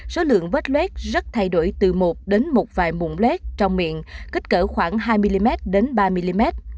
số lượng vết luet rất thay đổi từ một đến một vài mụn lét trong miệng kích cỡ khoảng hai mm đến ba mm